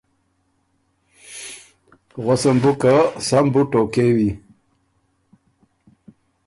غؤسم بُو که سَۀ م بُو ټوقېوی